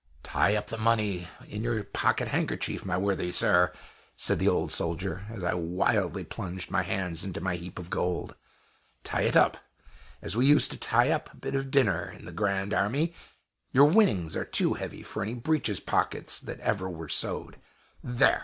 "Tie up the money in your pocket handkerchief, my worthy sir," said the old soldier, as I wildly plunged my hands into my heap of gold. "Tie it up, as we used to tie up a bit of dinner in the Grand Army; your winnings are too heavy for any breeches pockets that ever were sewed. There!